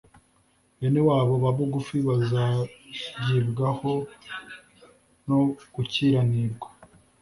Bene wabo ba bugufi bazagibwaho no gukiranirwa